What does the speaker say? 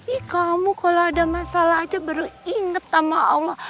ih kamu kalau ada masalah aja baru inget sama allah